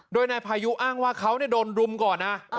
โดยนายพายุอ้างว่าเขาโดนรุมก่อนนะ